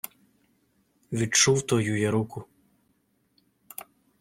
Відчув твою я руку